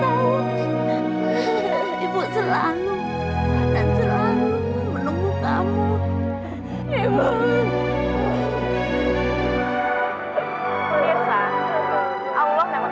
istri yang menjadi dominasi dalam kelas